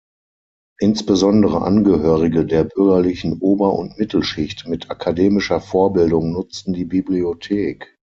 Insbesondere Angehörige der bürgerlichen Ober- und Mittelschicht mit akademischer Vorbildung nutzten die Bibliothek.